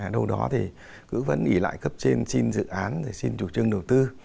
đâu đó thì cứ vẫn ỉ lại cấp trên xin dự án xin chủ trương đầu tư